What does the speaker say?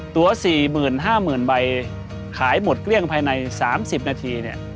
ตัว๔๕๐๐๐ใบขายหมดเกลี้ยงภายใน๓๐นาที